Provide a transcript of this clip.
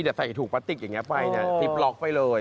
เดี๋ยวใส่ถูกปลาติกอย่างนี้ไปฟลิปล็อกไปเลย